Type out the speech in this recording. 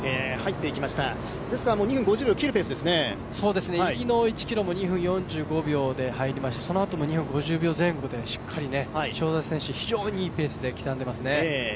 入りの１ｋｍも２分４５秒で入りましてそのあとも２分５０秒前後でしっかり塩澤選手、非常にいいペースで刻んでますね。